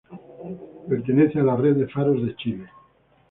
Pertenece a la red de faros de Chile.